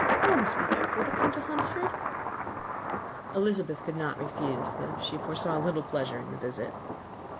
Promise me, therefore, to come to Hunsford." Elizabeth could not refuse, though she foresaw little pleasure in the visit.